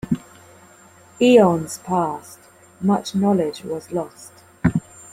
Aeon's passed, much knowledge was lost.